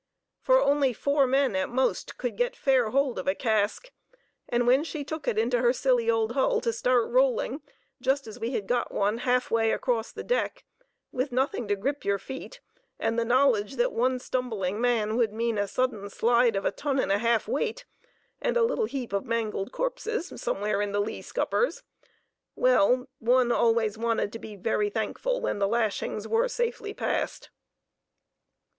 For only four men at most could get fair hold of a cask, and when she took it into her silly old hull to start rolling, just as we had got one half way across the deck, with nothing to grip your feet, and the knowledge that one stumbling man would mean a sudden slide of the ton and a half weight, and a little heap of mangled corpses somewhere in the lee scuppers,—well, one always wanted to be very thankful when the lashings were safely passed.